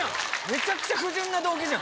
めちゃくちゃ不純な動機じゃん！